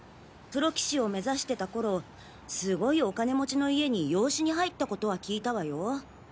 プロ棋士を目指してた頃すごいお金持ちの家に養子に入った事は聞いたわよ。